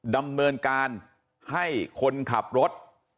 ดำเนินการให้คนขับรถ